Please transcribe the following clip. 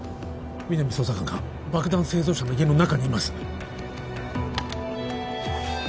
皆実捜査官が爆弾製造者の家の中にいます